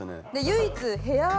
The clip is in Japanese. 唯一部屋。